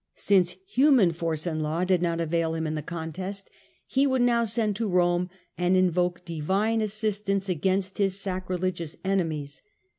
Since human force and law did not avail him in the contest, he would now send to Bome and invoke divine assistance against his sacrilegious enemies.